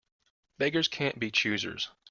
Beggars can't be choosers.